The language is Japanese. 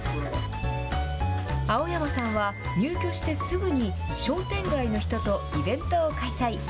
青山さんは、入居してすぐに商店街の人とイベントを開催。